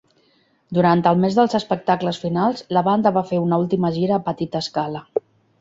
Durant el mes dels espectacles finals, la banda va fer una última gira a petita escala.